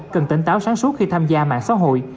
cần tỉnh táo sáng suốt khi tham gia mạng xã hội